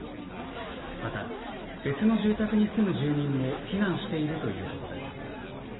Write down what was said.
また別の住宅に住む住民も避難しているということです。